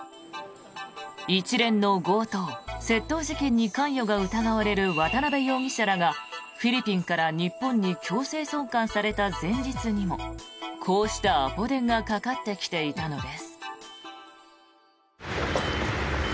一連の強盗・窃盗事件に関与が疑われる渡邉容疑者らがフィリピンから日本に強制送還された前日にもこうしたアポ電がかかってきていたのです。